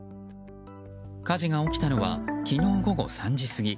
火事が起きたのは昨日午後３時過ぎ。